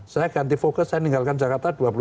saya ganti fokus saya ninggalkan jakarta